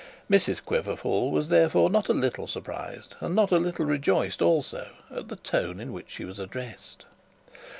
Mrs Quiverful was therefore not a little surprised and not a little rejoiced also, at the tone at which she was addressed.